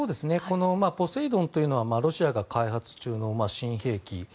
ポセイドンというのはロシアが開発中の新兵器。